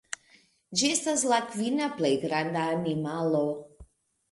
Ĝi estas la kvina plej granda animalo.